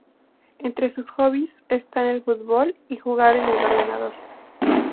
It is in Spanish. Entre sus hobbies están el fútbol y jugar en el ordenador.